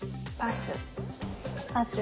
パス。